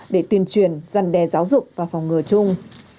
để tuyên truyền dân đề giáo dục và phòng ngừa chung